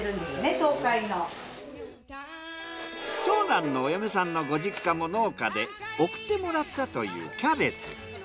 長男のお嫁さんのご実家も農家で送ってもらったというキャベツ。